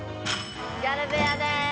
ギャル部屋です！